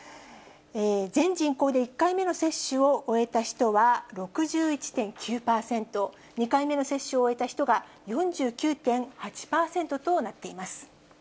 全人口で１回目の接種を終えた人は６１．９％、２回目の接種を終えた人が４９．８％となっています。